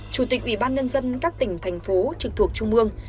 chủ tịch ủy ban nhân dân các tỉnh thành phố trực thuộc trung ương